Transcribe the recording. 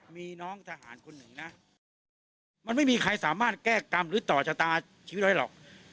มีน้องทหารคนหนึ่งนะมันไม่มีใครสามารถแก้กรรมหรือต่อชะตาชีวิตไว้หรอก